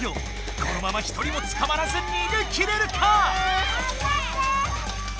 このまま１人もつかまらず逃げ切れるか！